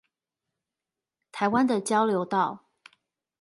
台灣的交流道